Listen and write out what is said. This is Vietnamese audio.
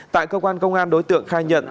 tại cơ quan công an đối tượng khai nhận